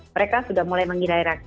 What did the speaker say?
mereka sudah mulai mengira ira